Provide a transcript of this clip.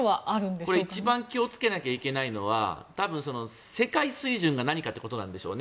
これ、一番気をつけないといけないのは多分、世界水準が何かということなんでしょうね。